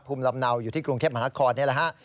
ภูมิลำเนาอยู่ที่กรุงเทพมหานครนี่แหละฮะ